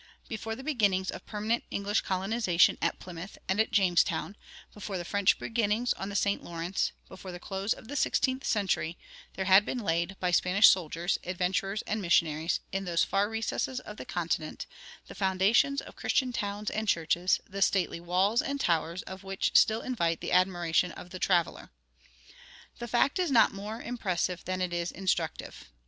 Before the beginnings of permanent English colonization at Plymouth and at Jamestown, before the French beginnings on the St. Lawrence, before the close of the sixteenth century, there had been laid by Spanish soldiers, adventurers, and missionaries, in those far recesses of the continent, the foundations of Christian towns and churches, the stately walls and towers of which still invite the admiration of the traveler. The fact is not more impressive than it is instructive.